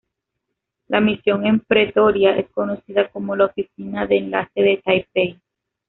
La misión en Pretoria es conocida como la "Oficina de Enlace de Taipei".